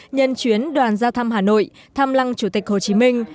nhân chuyến đoàn giao thăm hà nội thăm lăng chủ tịch hồ chí minh